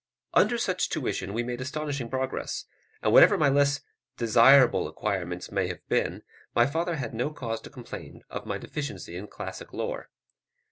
Under such tuition, we made astonishing progress; and whatever my less desirable acquirements may have been, my father had no cause to complain of my deficiency in classic lore.